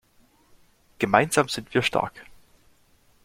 Gemeinsam sind wir stark.